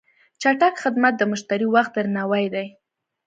چټک خدمت د مشتری وخت درناوی دی.